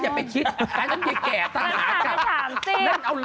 จะมาให้เจอกับแอไม่ได้แอแม่เด็ก